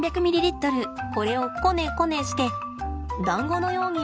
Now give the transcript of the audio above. これをこねこねしてだんごのように丸めます。